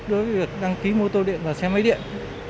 đối với việc đăng ký mô tô điện và xe máy điện